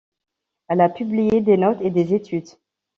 Elle a publié des notes et des études.